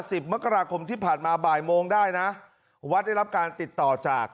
สิบมกราคมที่ผ่านมาบ่ายโมงได้นะวัดได้รับการติดต่อจาก